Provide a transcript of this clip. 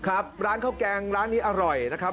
ครับร้านข้าวแกงร้านนี้อร่อยนะครับ